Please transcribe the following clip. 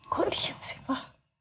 kok diem sih pa